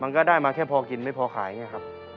ก็ได้มาแค่พอกินไม่พอขายอย่างนี้ครับ